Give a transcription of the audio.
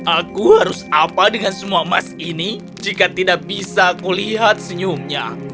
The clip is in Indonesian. aku harus apa dengan semua emas ini jika tidak bisa kulihat senyumnya